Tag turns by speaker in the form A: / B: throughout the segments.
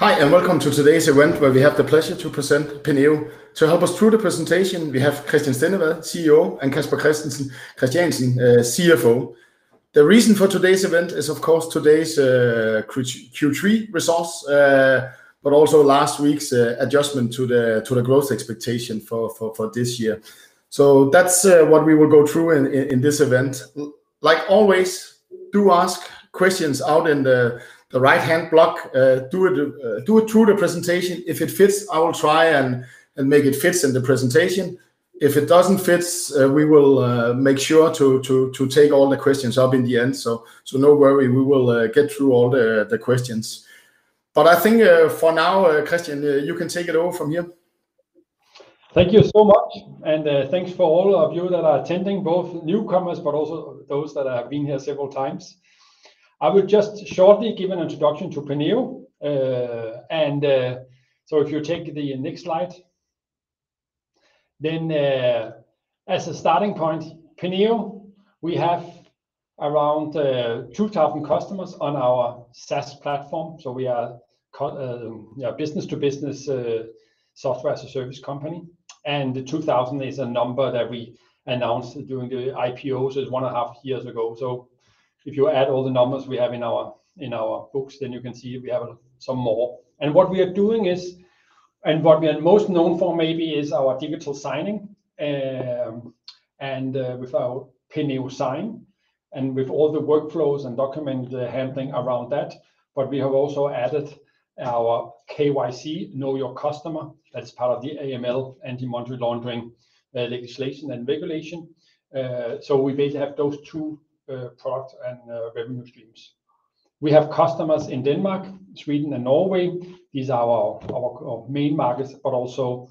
A: Hi, welcome to today's event where we have the pleasure to present Penneo. To help us through the presentation, we have Christian Stendevad, Chief Executive Officer, and Casper Nielsen Christiansen, Chief Financial Officer. The reason for today's event is, of course, today's Q3 results, but also last week's adjustment to the growth expectation for this year. That's what we will go through in this event. Like always, do ask questions out in the right-hand block through the presentation. If it fits, I will try and make it fit in the presentation. If it doesn't fit, we will make sure to take all the questions up in the end. No worry, we will get through all the questions. I think, for now, Christian, you can take it over from here.
B: Thank you so much. Thanks for all of you that are attending, both newcomers, but also those that have been here several times. I will just shortly give an introduction to Penneo. If you take the next slide. As a starting point, Penneo, we have around 2000 customers on our SaaS platform. We are you know, business to business, software as a service company. The 2000 is a number that we announced during the IPO, so it's 1.5 years ago. If you add all the numbers we have in our books, you can see we have some more. What we are doing is, and what we are most known for maybe, is our digital signing, and with our Penneo Sign and with all the workflows and document handling around that. We have also added our KYC, Know Your Customer, that's part of the AML, Anti-Money Laundering, legislation and regulation. We basically have those two products and revenue streams. We have customers in Denmark, Sweden, and Norway. These are our main markets, but also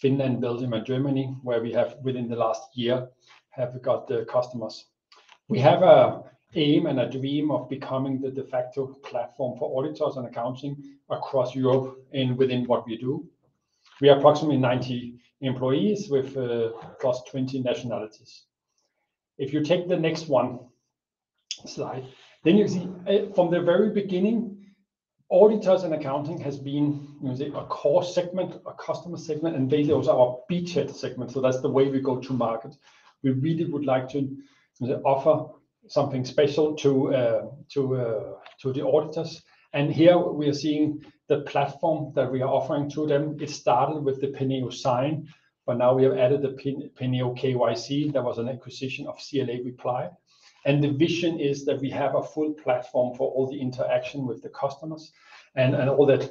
B: Finland, Belgium, and Germany, where we have within the last year have got the customers. We have an aim and a dream of becoming the de facto platform for auditors and accounting across Europe and within what we do. We are approximately 90 employees with across 20 nationalities. If you take the next slide, then you see from the very beginning, auditors and accounting has been, you can say, a core segment, a customer segment, and they are also our beachhead segment. That's the way we go to market. We really would like to offer something special to the auditors. Here we are seeing the platform that we are offering to them. It started with the Penneo Sign, but now we have added the Penneo KYC. That was an acquisition of CLA Reply. The vision is that we have a full platform for all the interaction with the customers and all that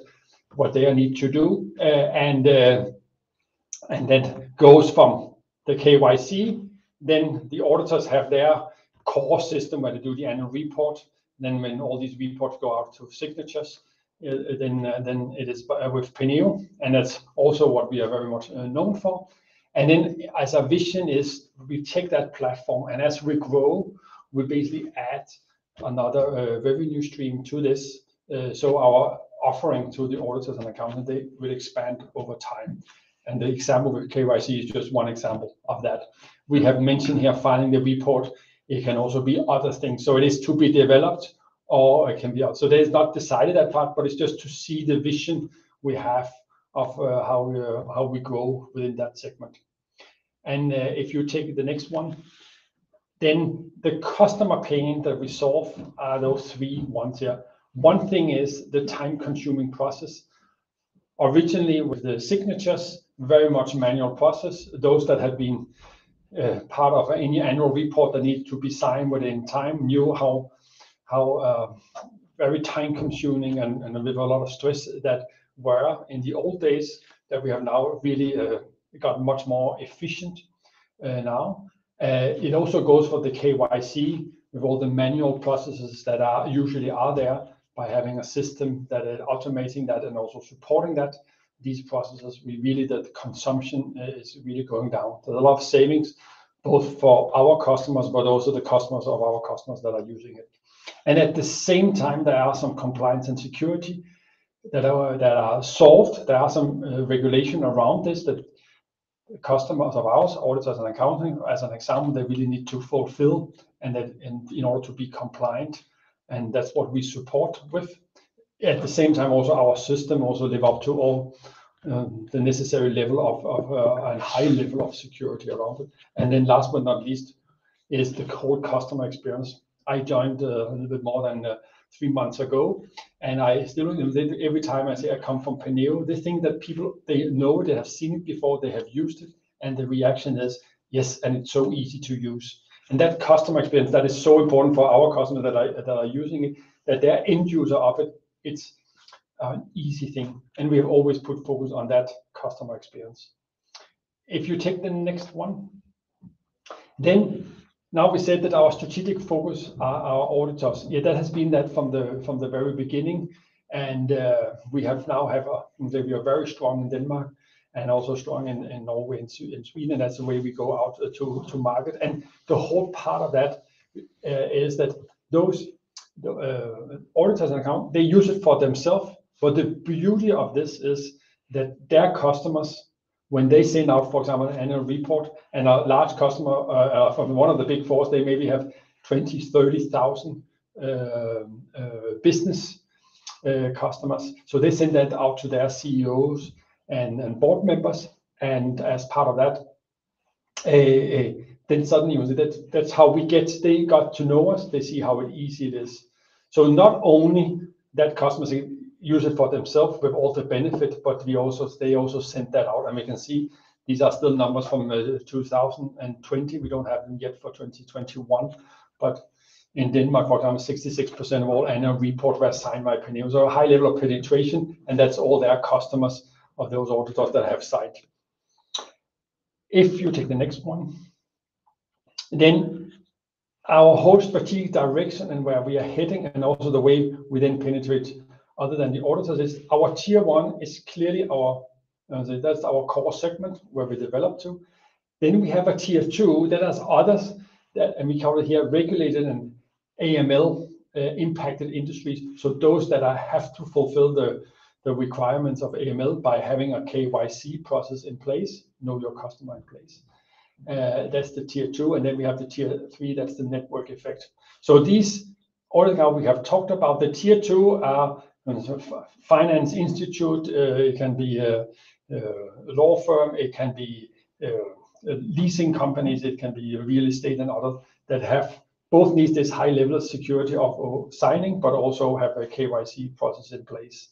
B: what they need to do. That goes from the KYC, then the auditors have their core system where they do the annual report. When all these reports go out to signatures, then it is with Penneo, and that's also what we are very much known for. As our vision is, we take that platform and as we grow, we basically add another revenue stream to this. Our offering to the auditors and accountant, they will expand over time. The example with KYC is just one example of that. We have mentioned here filing the report. It can also be other things. It is to be developed or it can be out. That is not decided that part, but it's just to see the vision we have of how we grow within that segment. If you take the next one, then the customer pain that we solve are those three ones here. One thing is the time-consuming process. Originally, with the signatures, very much manual process. Those that have been part of any annual report that need to be signed within time knew how very time-consuming and with a lot of stress that were in the old days that we have now really got much more efficient now. It also goes for the KYC with all the manual processes that are usually there by having a system that is automating that and also supporting that. These processes, we really, the consumption is really going down. A lot of savings both for our customers, but also the customers of our customers that are using it. At the same time, there are some compliance and security that are solved. There are some regulations around this that customers of ours, auditors and accountants as an example, they really need to fulfill that in order to be compliant, and that's what we support with. At the same time, our system lives up to all the necessary and high level of security around it. Last but not least, is the core customer experience. I joined a little bit more than three months ago, and I still, every time I say I come from Penneo, they think that people, they know it, they have seen it before, they have used it, and the reaction is, Yes, and it's so easy to use. That customer experience, that is so important for our customers that are using it, that their end user of it's an easy thing, and we have always put focus on that customer experience. If you take the next one, then now we said that our strategic focus are our auditors. Yeah, that has been that from the very beginning. We now have, you know, we are very strong in Denmark and also strong in Norway and Sweden. That's the way we go out to market. The whole part of that is that those auditors and accountants, they use it for themselves. But the beauty of this is that their customers. When they send out, for example, an annual report to a large customer from one of the Big Four, they maybe have 20,000-30,000 business customers. So they send that out to their Chief Executive Officers and board members. As part of that, then suddenly that's how we get they got to know us. They see how easy it is. So not only that customers use it for themselves with all the benefits, but we also they also send that out and we can see these are still numbers from 2020. We don't have them yet for 2021. In Denmark, for example, 66% of all annual report were signed by Penneo. A high level of penetration, and that's all their customers of those auditors that have signed. If you take the next one, our whole strategic direction and where we are heading and also the way we then penetrate other than the auditors is our tier one is clearly our core segment where we develop to. We have a tier 2 that has others that, and we call it here regulated and AML impacted industries. Those that are have to fulfill the requirements of AML by having a KYC process in place, know your customer in place. That's the tier 3, that's the network effect. These are all the Tier 2 we have talked about now. They are financial institutions. It can be a law firm. It can be leasing companies. It can be real estate and others that have both needs this high level of security of signing but also have a KYC process in place.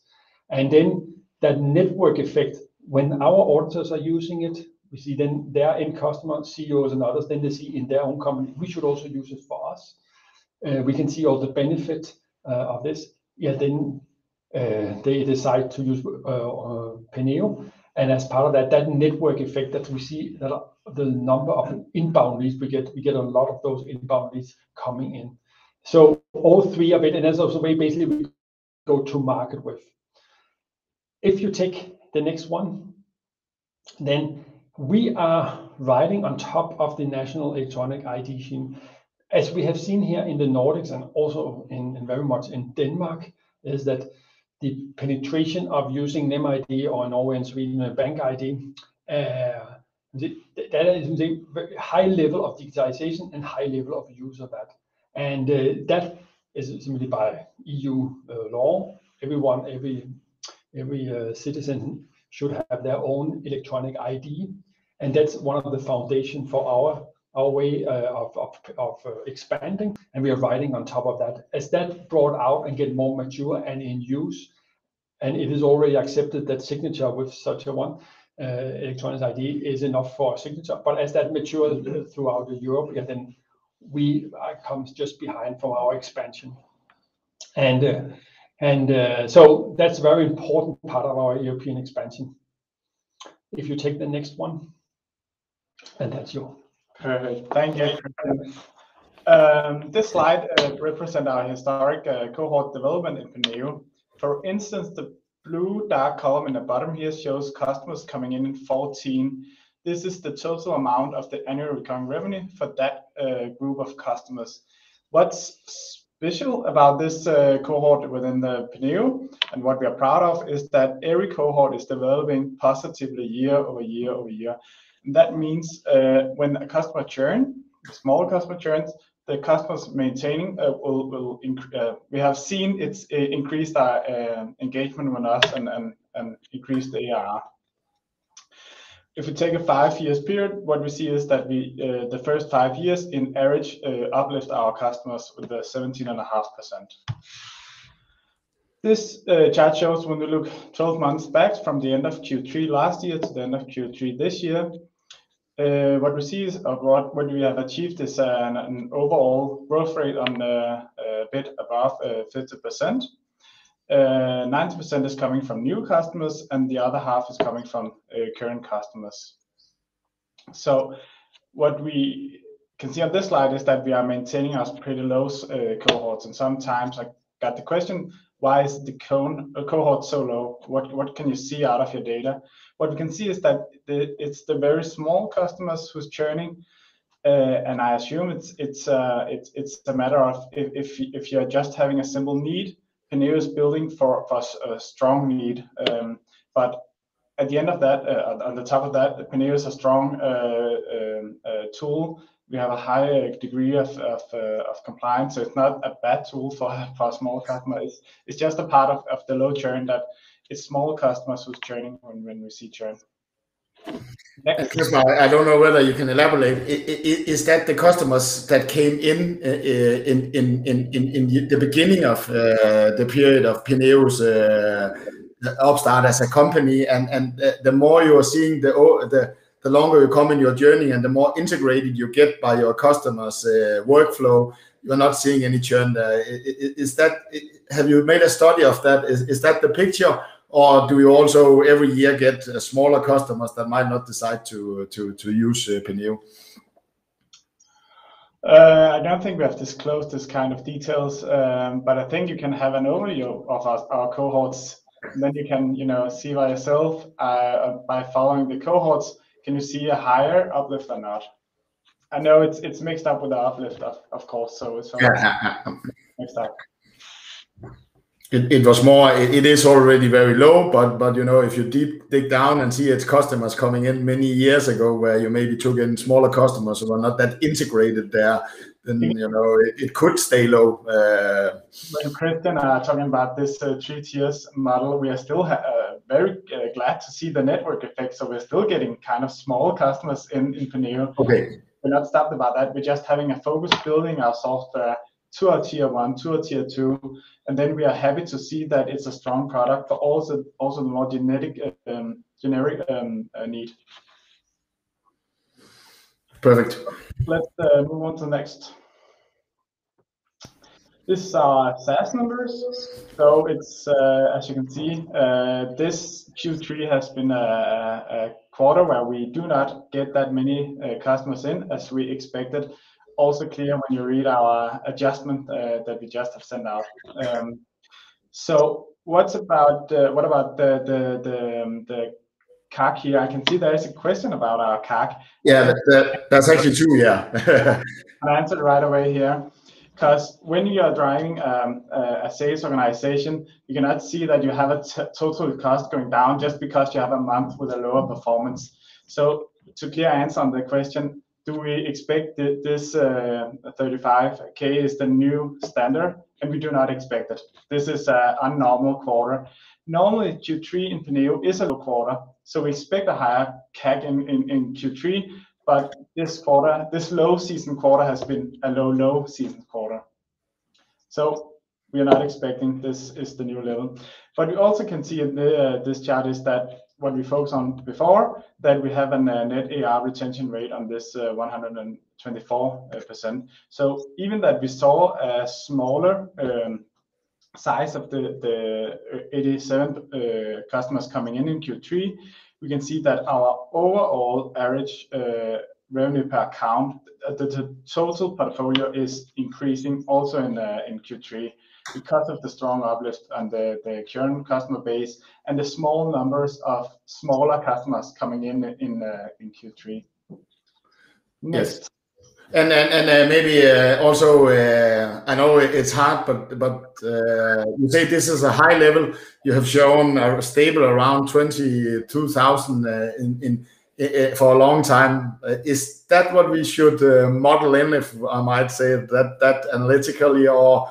B: That network effect when our auditors are using it, we see then their end customer, Chief Executive Officers and others, then they see in their own company, we should also use it for us. We can see all the benefits of this. Then they decide to use Penneo. As part of that network effect that we see the number of inbound leads we get, we get a lot of those inbound leads coming in. All three of it, and that's also why basically we go to market with. If you take the next one, we are riding on top of the national electronic ID scheme. As we have seen here in the Nordics and also in very much in Denmark, is that the penetration of using NemID or in Norway and Sweden, BankID, that is the very high level of digitization and high level of use of that. That is simply by EU law. Every citizen should have their own electronic ID, and that's one of the foundation for our way of expanding, and we are riding on top of that. As that brought out and get more mature and in use, and it is already accepted that signature with such a one, electronic ID is enough for a signature. As that mature throughout Europe, yeah, then we are coming just behind for our expansion. That's very important part of our European expansion. If you take the next one, and that's all.
C: Perfect. Thank you. This slide represent our historic cohort development in Penneo. For instance, the blue dark column in the bottom here shows customers coming in in 2014. This is the total amount of the annual recurring revenue for that group of customers. What's special about this cohort within Penneo, and what we are proud of, is that every cohort is developing positively year over year over year. That means when a customer churn, small customer churns, the customers maintaining we have seen it increased our engagement with us and increased the ARR. If we take a five years period, what we see is that we the first five years on average uplift our customers with a 17.5%. This chart shows when we look 12 months back from the end of Q3 last year to the end of Q3 this year, what we see is what we have achieved is an overall growth rate of a bit above 50%. 90% is coming from new customers, and the other half is coming from current customers. What we can see on this slide is that we are maintaining our pretty low cohorts. Sometimes I got the question, Why is the cohort so low? What can you see out of your data? What we can see is that it's the very small customers who's churning. I assume it's the matter of if you're just having a simple need, Penneo is building for a strong need. At the end of that, on the top of that, Penneo is a strong tool. We have a high degree of compliance, so it's not a bad tool for small customers. It's just a part of the low churn that it's small customers who's churning on when we see churn. Next-
A: Casper, I don't know whether you can elaborate. Is that the customers that came in the beginning of the period of Penneo's startup as a company and the more you are seeing the longer you come in your journey and the more integrated you get by your customers workflow, you're not seeing any churn there. Is that. Have you made a study of that? Is that the picture or do you also every year get smaller customers that might not decide to use Penneo?
C: I don't think we have disclosed this kind of details, but I think you can have an overview of our cohorts. Then you can, you know, see by yourself, by following the cohorts, can you see a higher uplift or not? I know it's mixed up with the uplift of course, so it's
A: Yeah.
C: Mixed up.
A: It is already very low, but you know, if you dig down and see its customers coming in many years ago where you maybe took in smaller customers who are not that integrated there, then you know, it could stay low.
C: When Christian are talking about this tiers model, we are still very glad to see the network effect, so we're still getting kind of small customers in Penneo.
A: Okay.
C: We're not stopping about that. We're just having a focus building our software to our tier 1, to our tier 2, and then we are happy to see that it's a strong product for also the more generic need.
A: Perfect.
C: Let's move on to the next. This is our SaaS numbers. It's as you can see, this Q3 has been a quarter where we do not get that many customers in as we expected. It's also clear when you read our adjustment that we just have sent out. What about the CAC here? I can see there is a question about our CAC.
A: Yeah. That's actually true, yeah.
C: I answer right away here 'cause when you are driving a sales organization, you cannot see that you have a total cost going down just because you have a month with a lower performance. To clearly answer the question, do we expect that this 35K is the new standard? We do not expect it. This is a normal quarter. Normally, Q3 in Penneo is a low quarter, so we expect a higher CAC in Q3. This quarter, this low season quarter has been a low season quarter, so we are not expecting this is the new level. You also can see in this chart that what we focused on before, that we have a net ARR retention rate of 124%. Even that we saw a smaller size of the 87 customers coming in in Q3, we can see that our overall average revenue per account, the total portfolio is increasing also in Q3 because of the strong uplift on the current customer base and the small numbers of smaller customers coming in in Q3. Next.
A: Yes. Maybe also, I know it's hard but you say this is a high level. You have shown ARPA stable around 22,000 for a long time. Is that what we should model in if I'd say that analytically or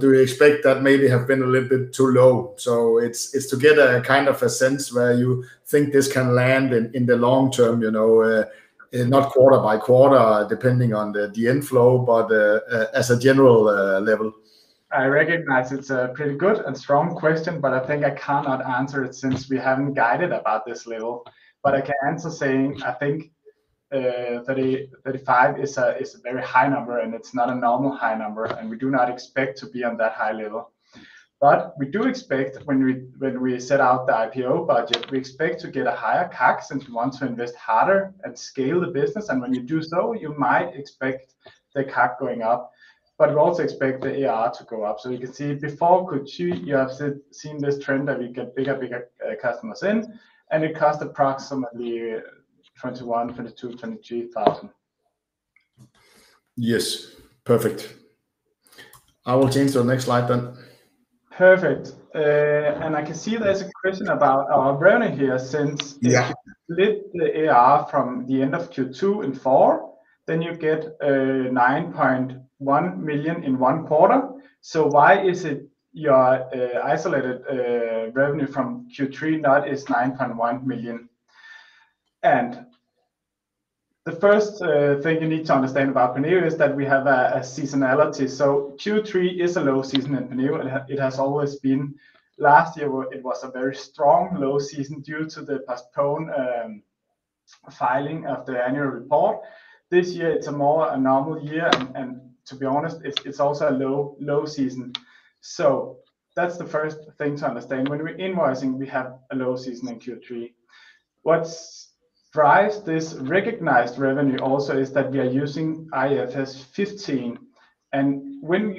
A: do we expect that maybe have been a little bit too low? It's to get a kind of a sense where you think this can land in the long term, you know, not quarter by quarter depending on the inflow, but as a general level.
C: I recognize it's a pretty good and strong question, but I think I cannot answer it since we haven't guided about this level. I can answer saying I think 30-35 is a very high number, and it's not a normal high number, and we do not expect to be on that high level. We do expect when we set out the IPO budget, we expect to get a higher CAC since we want to invest harder and scale the business. When you do so, you might expect the CAC going up, but we also expect the AR to go up. You can see before Q2, you have seen this trend that we get bigger customers in, and it cost approximately 21,000-23,000.
A: Yes. Perfect. I will change to the next slide then.
C: Perfect. I can see there's a question about our revenue here since.
A: Yeah.
C: If you split the AR from the end of Q2 and Q4, then you get 9.1 million in one quarter. Why is your isolated revenue from Q3 not 9.1 million? The first thing you need to understand about Penneo is that we have a seasonality. Q3 is a low season in Penneo, and it has always been. Last year, where it was a very strong low season due to the postponed filing of the annual report. This year it's a more normal year, and to be honest, it's also a low season. That's the first thing to understand. When we're invoicing, we have a low season in Q3. What drives this recognized revenue also is that we are using IFRS 15, and when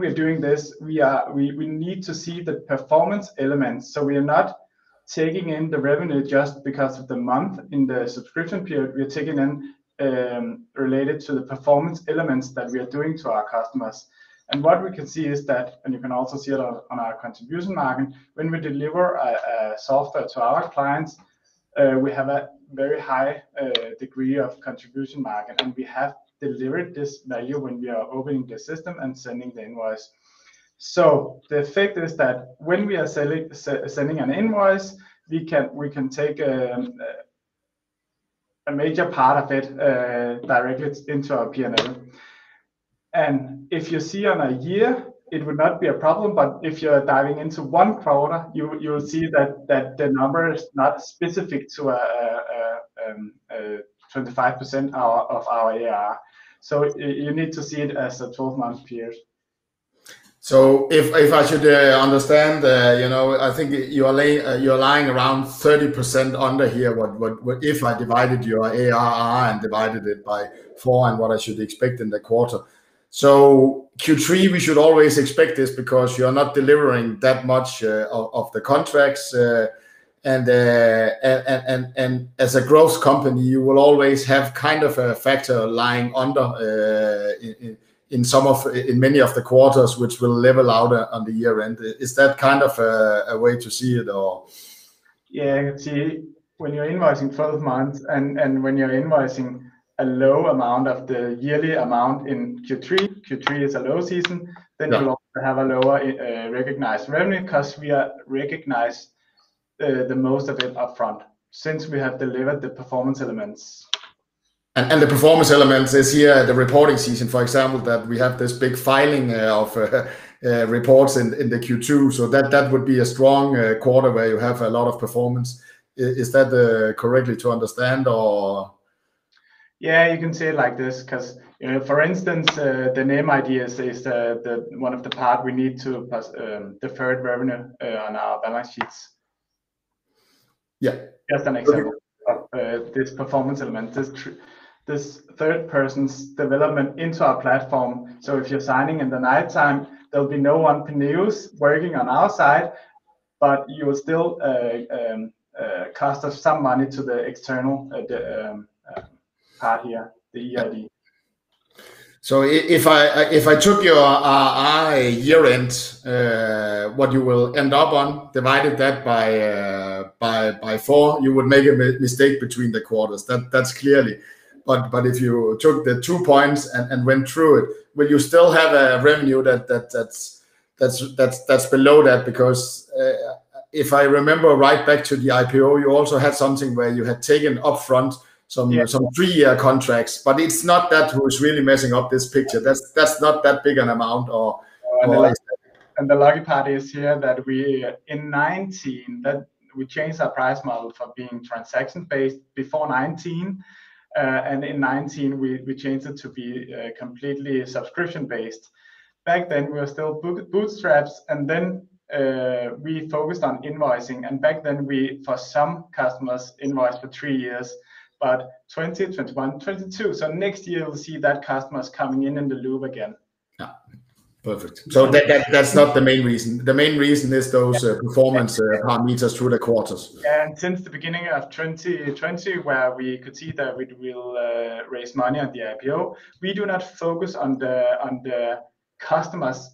C: we're doing this, we need to see the performance elements. We are not taking in the revenue just because of the month in the subscription period. We are taking in related to the performance elements that we are doing to our customers. What we can see is that, and you can also see it on our contribution margin, when we deliver a software to our clients, we have a very high degree of contribution margin. We have delivered this value when we are opening the system and sending the invoice. The effect is that when we are sending an invoice, we can take a major part of it directly into our PNL. If you see on a year, it would not be a problem, but if you're diving into one quarter, you'll see that the number is not specific to a 25% of our ARR. You need to see it as a twelve-month period.
A: If I should understand, you know, I think you're lagging around 30% under here. What if I divided your ARR and divided it by four and what I should expect in the quarter. Q3, we should always expect this because you are not delivering that much of the contracts, and as a growth company, you will always have kind of a factor lagging under in some of, in many of the quarters which will level out on the year-end. Is that kind of a way to see it or?
C: Yeah. See, when you're invoicing 12 months and when you're invoicing a low amount of the yearly amount in Q3 is a low season.
A: Yeah...
C: you'll have a lower recognized revenue because we recognize the most of it upfront since we have delivered the performance elements.
A: The performance elements is here, the reporting season, for example, that we have this big filing of reports in the Q2, so that would be a strong quarter where you have a lot of performance. Is that correctly to understand or?
C: Yeah, you can say it like this, 'cause, you know, for instance, the NemID as is the one of the part we need to pass deferred revenue on our balance sheets.
A: Yeah.
C: Just an example of this performance element. This third-party's development into our platform. If you're signing in the nighttime, there'll be no one at Penneo working on our side, but you will still cost us some money for the external part here, the EID.
A: If I took your year-end what you will end up on divided that by four, you would make a mistake between the quarters. That's clearly. If you took the two points and went through it, will you still have a revenue that's below that? Because if I remember right back to the IPO, you also had something where you had taken upfront some-
C: Yeah
A: Some three-year contracts, but it's not that who is really messing up this picture. That's not that big an amount.
C: The lucky part is here that we in 2019 changed our price model from being transaction-based before 2019, and in 2019 we changed it to be completely subscription-based. Back then, we were still bootstrapped, and then we focused on invoicing. Back then we for some customers invoiced for three years, but 2020, 2021, 2022. Next year we'll see that customers coming in in the loop again.
A: Yeah. Perfect. That, that's not the main reason. The main reason is those.
C: Yeah...
A: performance metrics through the quarters.
C: Since the beginning of 2020, where we could see that we will raise money at the IPO, we do not focus on the customers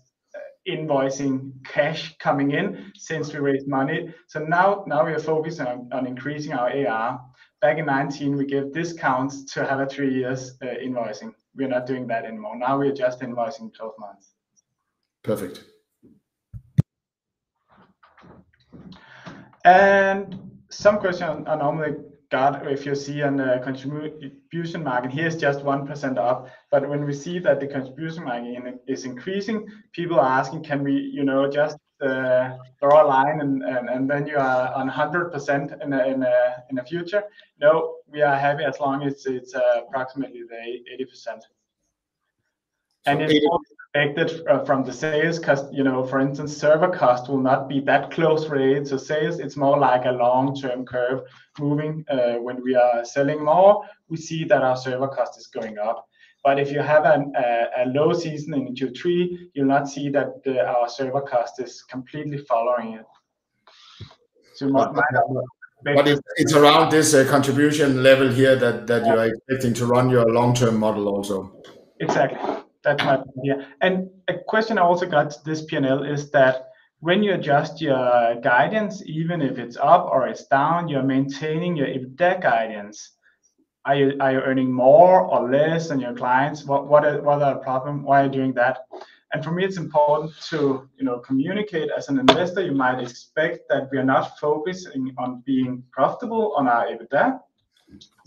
C: invoicing cash coming in since we raised money. Now we are focused on increasing our AR. Back in 2019, we gave discounts to have a three years invoicing. We're not doing that anymore. Now we're just invoicing 12 months.
A: Perfect.
C: Some question I normally get, if you see on the contribution margin, here it's just 1% up. When we see that the contribution margin is increasing, people are asking, can we adjust the line and then you are on 100% in a future? No, we are happy as long as it's approximately the 80%.
A: And it-
C: It's also expected from the sales, 'cause, you know, for instance, server cost will not be that close related to sales. It's more like a long-term curve moving. When we are selling more, we see that our server cost is going up. But if you have a low season in Q3, you'll not see that our server cost is completely following it.
A: It's around this contribution level here that you are expecting to run your long-term model also.
C: Exactly. Yeah. A question I also got, this PNL, is that when you adjust your guidance, even if it's up or it's down, you're maintaining your EBITDA guidance. Are you earning more or less on your clients? What's the problem? Why are you doing that? For me it's important to, you know, communicate. As an investor, you might expect that we are not focusing on being profitable on our EBITDA.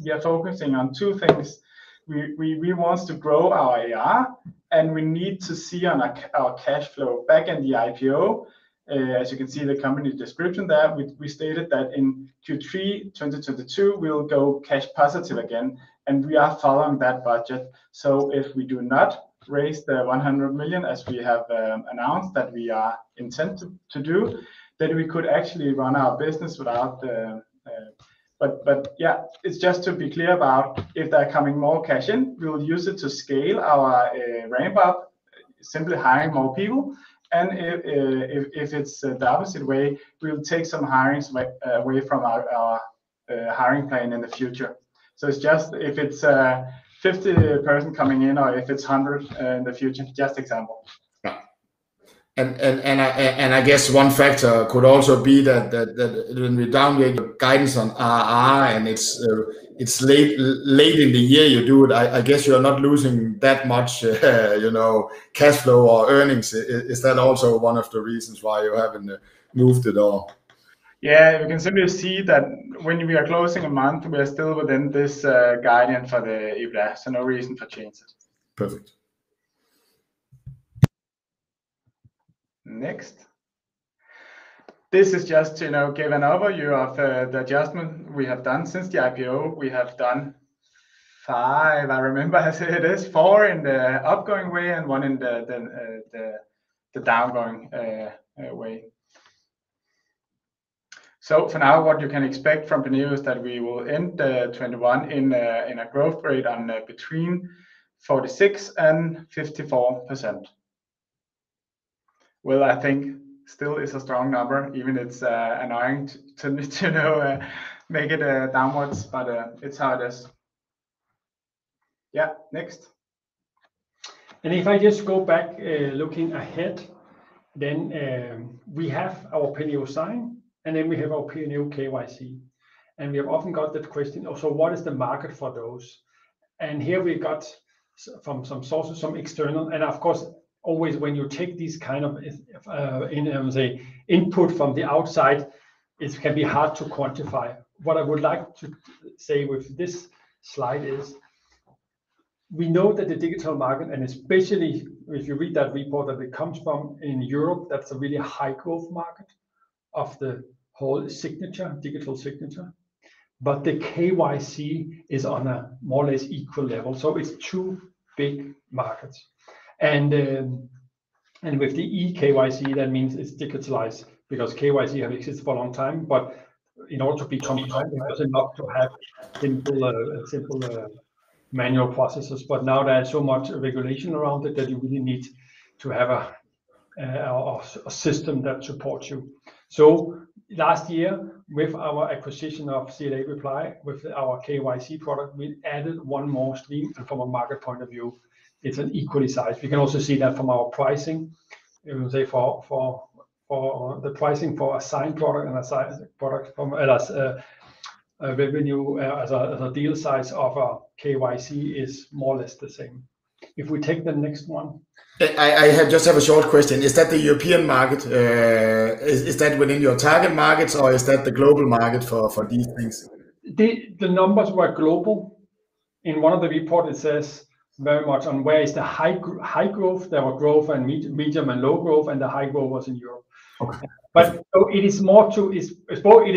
C: We are focusing on two things. We want to grow our AR, and we need to see to our cash flow. Back in the IPO, as you can see in the company description there, we stated that in Q3 2022, we'll go cash positive again, and we are following that budget. If we do not raise the 100 million, as we have announced that we are intent to do, then we could actually run our business without the. Yeah, it's just to be clear about if there are coming more cash in, we'll use it to scale our ramp-up, simply hiring more people. If it's the opposite way, we'll take some hirings away from our hiring plan in the future. It's just if it's 50 person coming in or if it's 100 in the future, just example.
A: Yeah. I guess one factor could also be that when we downgrade the guidance on AR, and it's late in the year you do it, I guess you're not losing that much, you know, cash flow or earnings. Is that also one of the reasons why you haven't moved at all?
C: Yeah. We can simply see that when we are closing a month, we are still within this guidance for the EBITDA, so no reason to change it.
A: Perfect.
C: Next. This is just to now give an overview of the adjustment we have done since the IPO. We have done five. I remember I said it is four in the upgoing way and one in the downgoing way. For now, what you can expect from Penneo is that we will end 2021 in a growth rate of between 46% and 54%. Well, I think it still is a strong number, even if it's annoying to know it made it downwards, but it's how it is. Yeah, next.
B: If I just go back, looking ahead, then, we have our Penneo Sign, and then we have our Penneo KYC. We have often got that question, Oh, so what is the market for those? Here we got from some sources, some external, and of course always when you take these kind of input from the outside, it can be hard to quantify. What I would like to say with this slide is, we know that the digital market, and especially if you read that report, that it comes from in Europe, that's a really high growth market of the whole signature, digital signature. The KYC is on a more or less equal level, so it's two big markets, with the eKYC, that means it's digitalized, because KYC have existed for a long time. In order to be competitive.
A: Mm-hmm.
B: It's enough to have simple manual processes. Now there are so much regulation around it that you really need to have a system that supports you. Last year, with our acquisition of CLA Reply, with our KYC product, we added one more stream. From a market point of view, it's an equally sized. We can also see that from our pricing, you could say for the pricing for a Sign product and a KYC product, as a revenue as a deal size of a KYC is more or less the same. If we take the next one.
A: I just have a short question. Is that the European market? Is that within your target markets, or is that the global market for these things?
B: The numbers were global. In one of the report it says very much on where is the high growth. There were growth, and medium, and low growth, and the high growth was in Europe.
A: Okay.
B: It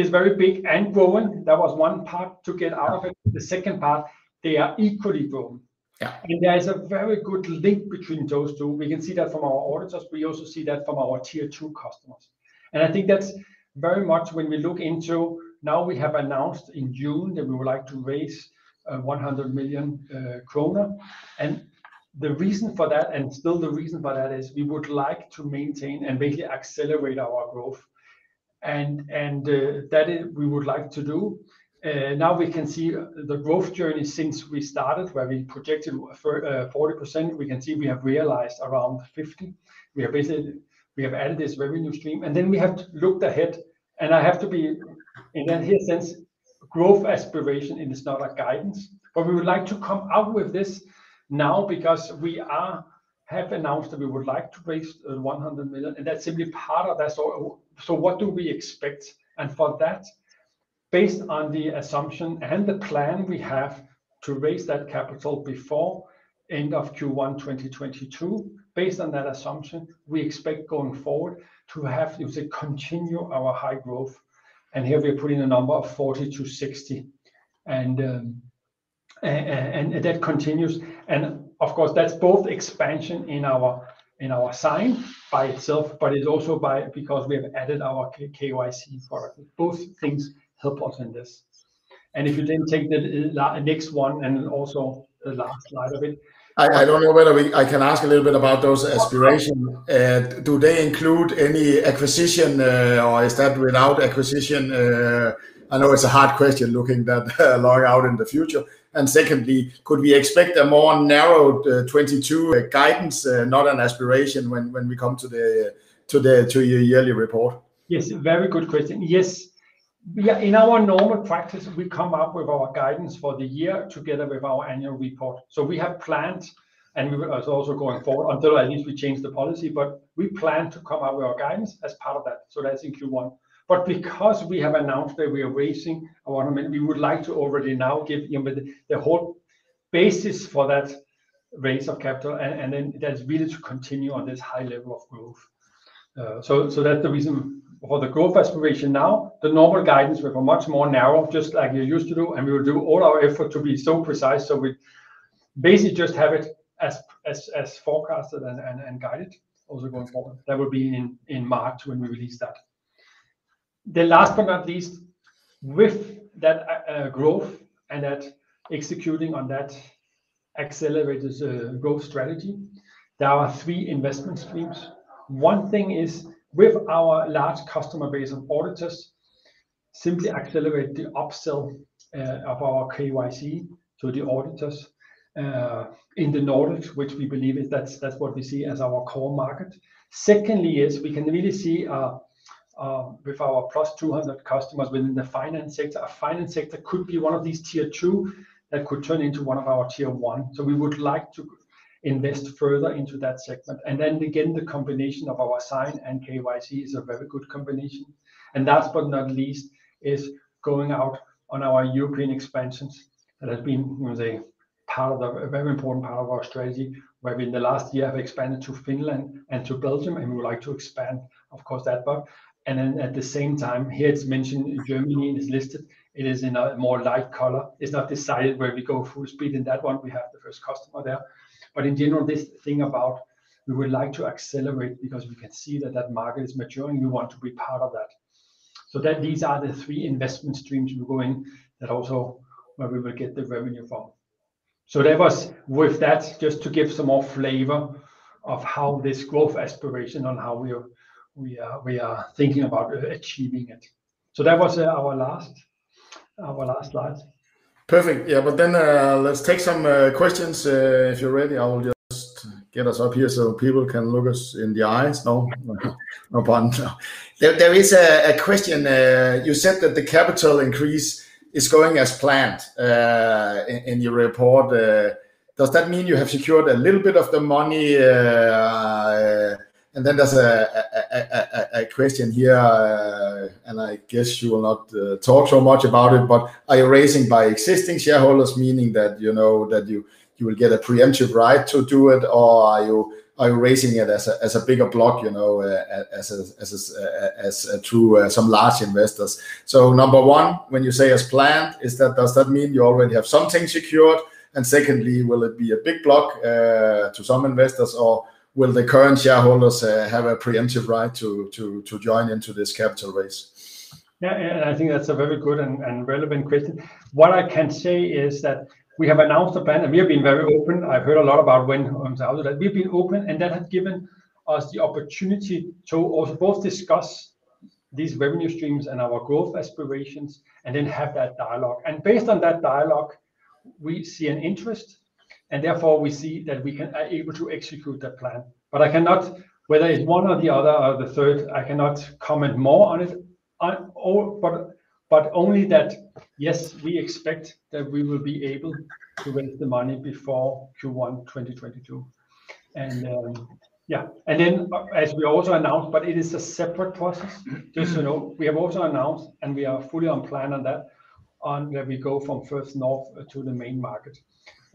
B: is very big and growing, that was one part to get out of it. The second part, they are equally growing.
A: Yeah.
B: I mean, there is a very good link between those two. We can see that from our auditors. We also see that from our tier two customers. I think that's very much when we look into. Now we have announced in June that we would like to raise 100 million krone. The reason for that and still the reason for that is we would like to maintain and basically accelerate our growth, that is we would like to do. Now we can see the growth journey since we started, where we projected for 40%, we can see we have realized around 50%. We have basically added this revenue stream, and then we have looked ahead, and I have to be, in that sense, growth aspiration and it's not a guidance. We would like to come out with this now because we have announced that we would like to raise 100 million, and that's simply part of that. What do we expect? For that, based on the assumption and the plan we have to raise that capital before end of Q1 2022. Based on that assumption, we expect going forward to have, you could say, continue our high growth. Here we are putting a number of 40%-60% and that continues. Of course, that's both expansion in our Sign by itself, but it's also because we have added our KYC product. Both things help us in this. If you then take the next one and also the last slide of it.
A: I don't know whether I can ask a little bit about those aspirations. Do they include any acquisition, or is that without acquisition? I know it's a hard question looking that far out in the future. Secondly, could we expect a more narrowed 2022 guidance, not an aspiration when we come to your yearly report?
B: Yes, very good question. Yes. Yeah, in our normal practice, we come up with our guidance for the year together with our annual report. We have planned, and we, as also going forward, until at least we change the policy, but we plan to come up with our guidance as part of that. That's in Q1. Because we have announced that we are raising our, we would like to already now give you the whole basis for that raise of capital and then that is really to continue on this high level of growth. That's the reason for the growth aspiration now. The normal guidance will go much more narrow, just like you're used to do, and we will do all our effort to be so precise so we basically just have it as forecasted and guided also going forward. That would be in March when we release that. The last but not least, with that growth and that executing on that accelerated growth strategy, there are three investment streams. One thing is with our large customer base of auditors, simply accelerate the upsell of our KYC to the auditors in the Nordics, which we believe is that's what we see as our core market. Secondly is we can really see with our +200 customers within the finance sector, a finance sector could be one of these tier 2 that could turn into one of our tier 1. We would like to invest further into that segment. Then again, the combination of our Sign and KYC is a very good combination. Last but not least is going out on our European expansions. That has been, we say, part of the, a very important part of our strategy. Where in the last year we have expanded to Finland and to Belgium, and we would like to expand of course that part. Then at the same time, here it's mentioned Germany is listed, it is in a more light color. It's not decided whether we go full speed in that one. We have the first customer there. In general, this thing about we would like to accelerate because we can see that market is maturing. We want to be part of that. These are the three investment streams we're going that also where we will get the revenue from. That was with that, just to give some more flavor of how this growth aspiration and how we are thinking about achieving it. That was our last slide.
A: Perfect. Yeah, but then let's take some questions. If you're ready, I will just get us up here so people can look us in the eyes. No? No problem. There is a question. You said that the capital increase is going as planned in your report. Does that mean you have secured a little bit of the money? There's a question here, and I guess you will not talk so much about it, but are you raising by existing shareholders, meaning that you know that you will get a preemptive right to do it, or are you raising it as a to some large investors? Number one, when you say as planned, is that? Does that mean you already have something secured? Secondly, will it be a big block to some investors, or will the current shareholders have a preemptive right to join into this capital raise?
B: Yeah, I think that's a very good and relevant question. What I can say is that we have announced a plan, and we have been very open. I've heard a lot about when I'm out that we've been open, and that has given us the opportunity to both discuss these revenue streams and our growth aspirations and then have that dialogue. Based on that dialogue, we see an interest, and therefore we see that we are able to execute that plan. But I cannot, whether it's one or the other or the third, I cannot comment more on it. But only that, yes, we expect that we will be able to raise the money before Q1 2022. Yeah. As we also announced, but it is a separate process, just so you know, we are fully on plan on that, on where we go from First North to the main market.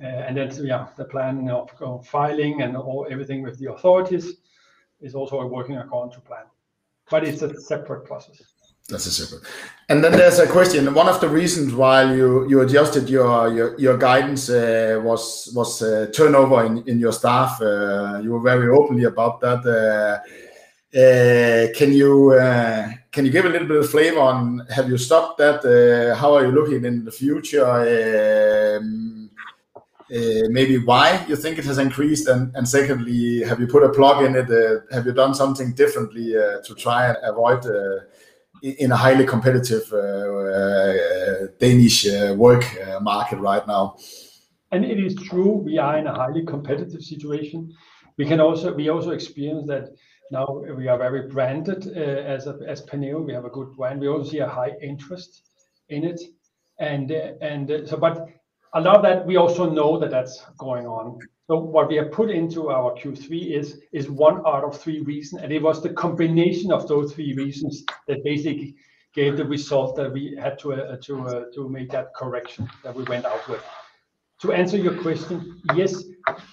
B: That's, yeah, the planning of filing and all, everything with the authorities is also working according to plan, but it's a separate process.
A: That's a separate. There's a question, one of the reasons why you adjusted your guidance was turnover in your staff. You were very openly about that. Can you give a little bit of flavor on have you stopped that? How are you looking in the future? Maybe why you think it has increased? Secondly, have you put a plug in it? Have you done something differently to try and avoid in a highly competitive Danish work market right now?
B: It is true, we are in a highly competitive situation. We also experience that now we are very branded as Penneo. We have a good brand. We also see a high interest in it, and so but a lot of that we also know that that's going on. What we have put into our Q3 is one out of three reasons, and it was the combination of those three reasons that basically gave the result that we had to make that correction that we went out with. To answer your question, yes,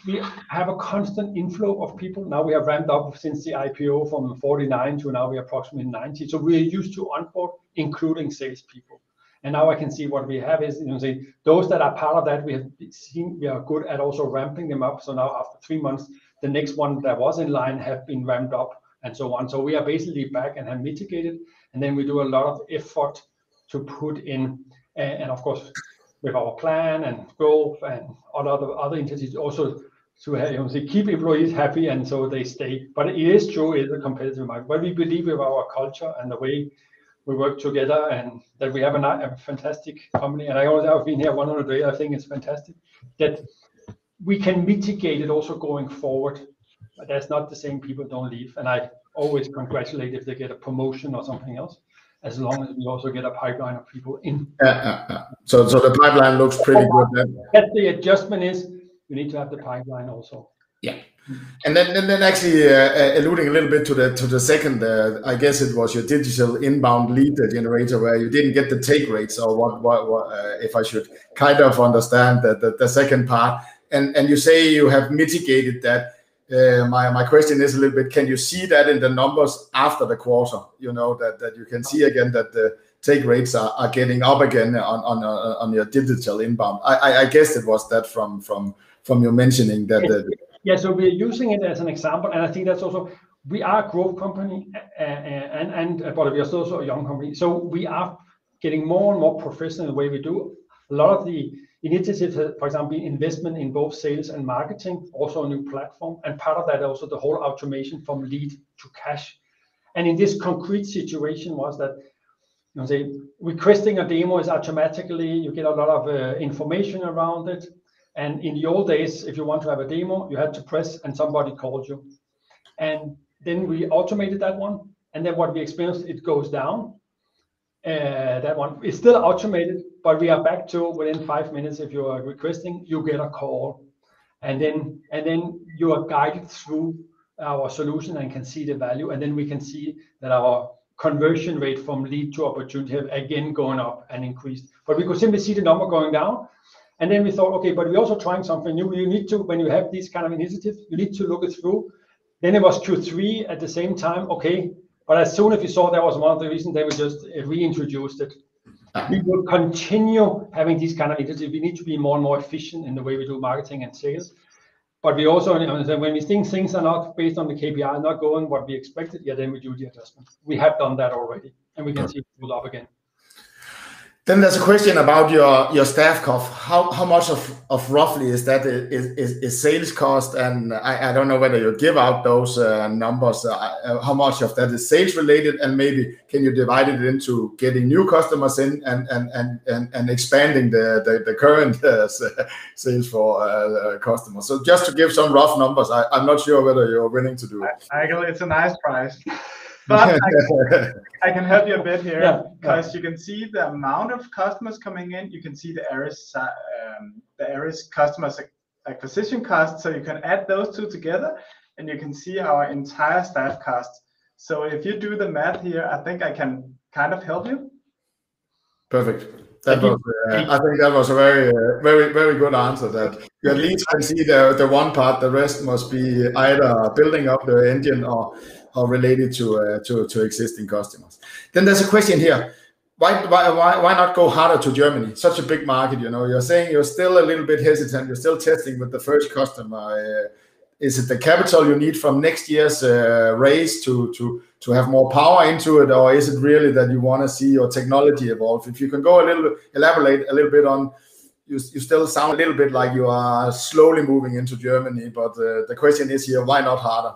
B: we have a constant inflow of people now. We have ramped up since the IPO from 49 to now we approximately 90. We are used to onboard, including salespeople. Now I can see what we have is those that are part of that, we have seen we are good at also ramping them up. Now after three months, the next one that was in line have been ramped up and so on. We are basically back and have mitigated, and then we do a lot of effort to put in and of course with our plan and growth and all other initiatives also to, you know, say keep employees happy and so they stay. It is true, it's a competitive market, but we believe with our culture and the way we work together and that we have a fantastic company, and I always have been here 100 days, I think it's fantastic that we can mitigate it also going forward. That's not the same, people don't leave, and I always congratulate if they get a promotion or something else as long as we also get a pipeline of people in.
A: Yeah. The pipeline looks pretty good then.
B: The adjustment is you need to have the pipeline also.
A: Yeah. Actually, alluding a little bit to the second, I guess it was your digital inbound lead generator where you didn't get the take rate. What if I should kind of understand the second part and you say you have mitigated that, my question is a little bit can you see that in the numbers after the quarter? You know, that you can see again that the take rates are getting up again on your digital inbound. I guess it was that from your mentioning that the-
B: Yeah. We're using it as an example, and I think that's also we are a growth company and part of we are also a young company, so we are getting more and more proficient in the way we do a lot of the initiatives, for example, investment in both sales and marketing, also a new platform and part of that also the whole automation from lead to cash. In this concrete situation was that, you know, say requesting a demo is automatically, you get a lot of information around it. In the old days, if you want to have a demo, you had to press and somebody called you, and then we automated that one, and then what we experienced, it goes down. That one is still automated, but we are back to within five minutes if you are requesting. You get a call, and then you are guided through our solution and can see the value, and then we can see that our conversion rate from lead to opportunity have again gone up and increased. We could simply see the number going down, and then we thought, okay, but we're also trying something new. You need to, when you have these kind of initiatives, you need to look it through. It was two, three at the same time, okay. As soon as we saw that was one of the reasons, we just reintroduced it. We will continue having these kind of initiatives. We need to be more and more efficient in the way we do marketing and sales, but we also, you know, when we think things are not based on the KPI, not going as we expected, yeah, then we do the adjustments. We have done that already, and we can see it pick up again.
A: There's a question about your staff cost. How much of roughly is that a sales cost and I don't know whether you give out those numbers. How much of that is sales related, and maybe can you divide it into getting new customers in and expanding the current sales for customers? Just to give some rough numbers. I'm not sure whether you're willing to do that.
C: I go, it's a nice price. I can help you a bit here.
A: Yeah, please.
C: 'Cause you can see the amount of customers coming in. You can see the ARPA, customer acquisition cost, so you can add those two together and you can see our entire staff cost. If you do the math here, I think I can kind of help you.
A: Perfect.
C: Thank you.
A: That was, I think, a very good answer that. You at least can see the one part. The rest must be either building up the engine or related to existing customers. Then there's a question here. Why not go harder to Germany? Such a big market, you know? You're saying you're still a little bit hesitant. You're still testing with the first customer. Is it the capital you need from next year's raise to have more power into it, or is it really that you wanna see your technology evolve? If you can go a little, elaborate a little bit on you still sound a little bit like you are slowly moving into Germany, but the question is here, why not harder?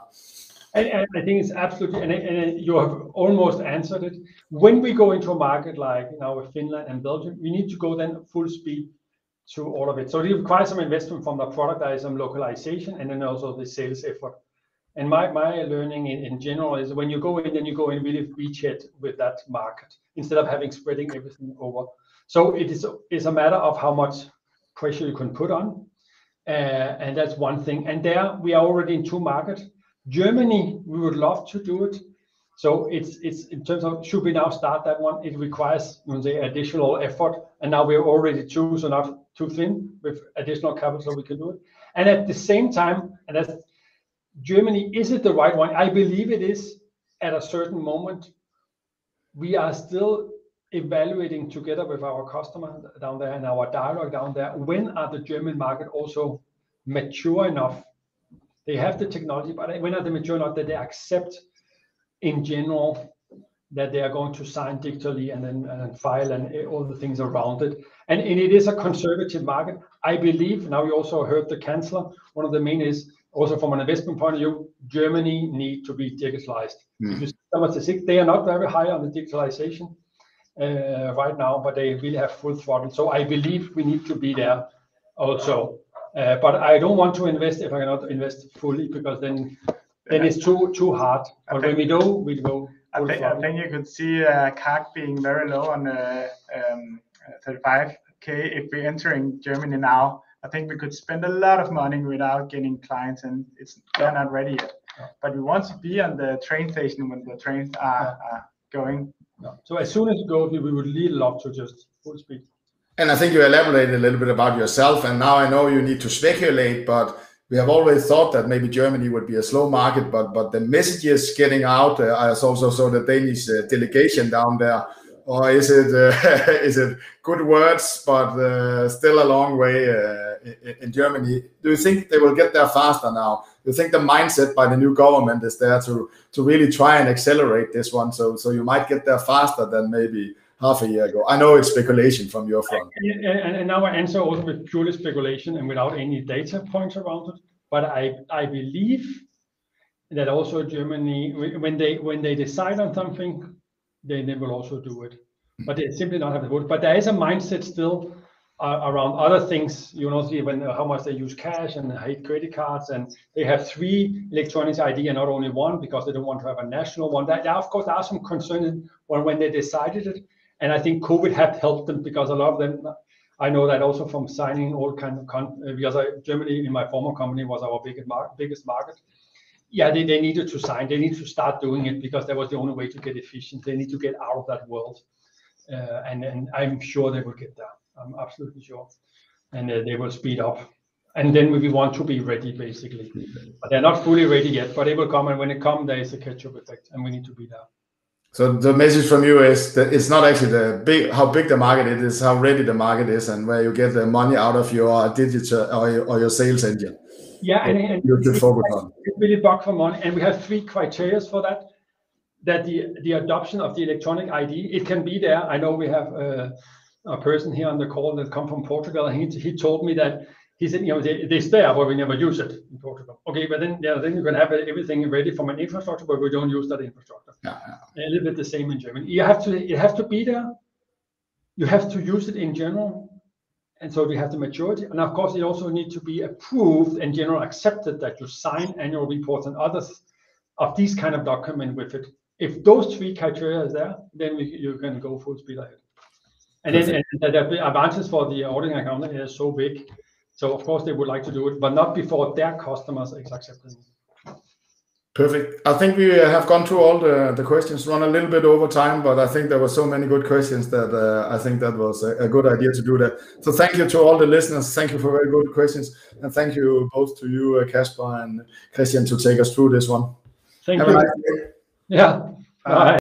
B: I think it's absolutely, and you have almost answered it. When we go into a market like, you know, with Finland and Belgium, we need to go then full speed through all of it. Require some investment from the productize and localization, and then also the sales effort. My learning in general is when you go in, then you go in really beachhead with that market instead of having spreading everything over. It's a matter of how much pressure you can put on, and that's one thing. There we are already in two markets. Germany, we would love to do it. It's, in terms of should we now start that one, it requires, you know, the additional effort, and now we are already stretched thin with additional capital we can do it. At the same time, and that's Germany, is it the right one? I believe it is at a certain moment. We are still evaluating together with our customer down there and our dialogue down there when the German market is also mature enough. They have the technology, but when are they mature enough that they accept in general that they are going to sign digitally and then file and all the things around it. It is a conservative market. I believe now we also heard the chancellor, one of the main is also from an investment point of view, Germany need to be digitalized.
A: Mm.
B: Because some of the six, they are not very high on the digitalization, right now, but they will have full throttle. I believe we need to be there also. But I don't want to invest if I cannot invest fully because then-
A: Yeah.
B: It's too hard.
A: Okay.
B: When we go, we go full throttle.
C: I think you could see CAC being very low on 35,000 if we enter in Germany now. I think we could spend a lot of money without getting clients and they're not ready yet.
A: Yeah.
C: We want to be on the train station when the trains are going.
B: No. As soon as we go, we would really love to just full speed.
A: I think you elaborated a little bit about yourself, and now I know you need to speculate, but we have always thought that maybe Germany would be a slow market, but the message is getting out. I also saw the Danish delegation down there. Or is it good words but still a long way in Germany? Do you think they will get there faster now? Do you think the mindset by the new government is there to really try and accelerate this one, so you might get there faster than maybe half a year ago? I know it's speculation from your front.
B: Yeah. Now I answer also with purely speculation and without any data points around it, but I believe that also Germany, when they decide on something, they will also do it, but they simply don't have the will. There is a mindset still around other things. You know, see how much they use cash and hate credit cards, and they have three electronic IDs and not only one because they don't want to have a national one. Of course there are some concerns when they decided it, and I think COVID have helped them because a lot of them. I know that also from signing all kinds of contracts because in Germany in my former company was our biggest market. Yeah, they needed to sign. They need to start doing it because that was the only way to get efficient. They need to get out of that world, and then I'm sure they will get there. I'm absolutely sure, and they will speed up, and then we want to be ready, basically.
A: Mm-hmm.
B: They're not fully ready yet, but they will come, and when they come, there is a catch-up effect and we need to be there.
A: The message from you is that it's not actually about how big the market is, how ready the market is, and whether you get the money out of your digital sales engine.
B: Yeah.
A: You'll just focus on-
B: It really comes back to one, and we have three criteria for that the adoption of the electronic ID can be there. I know we have a person here on the call that comes from Portugal and he told me that he said, you know, They stay but we never use it in Portugal. Okay, but then you know, then you can have everything ready for an infrastructure, but we don't use that infrastructure.
A: Yeah.
B: A little bit the same in Germany. You have to be there. You have to use it in general, and so we have the majority. Of course it also need to be approved in general, accepted that you sign annual reports and others of these kind of document with it. If those three criteria is there, then you can go full speed ahead.
A: Okay.
B: The advantages for the auditing accountant is so big, so of course they would like to do it, but not before their customers accept it.
A: Perfect. I think we have gone through all the questions. Run a little bit over time, but I think there were so many good questions that I think that was a good idea to do that. Thank you to all the listeners. Thank you for very good questions, and thank you both to you, Casper and Christian to take us through this one.
B: Thank you.
A: Have a nice day.
C: Yeah. Bye.